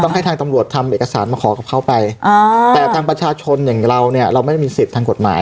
ให้ทางตำรวจทำเอกสารมาขอกับเขาไปอ่าแต่ทางประชาชนอย่างเราเนี่ยเราไม่ได้มีสิทธิ์ทางกฎหมาย